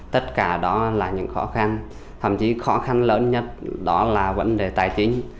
tất cả đó là những khó khăn thậm chí khó khăn lớn nhất đó là vấn đề tài chính